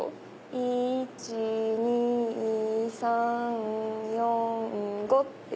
１・２・３・４・５。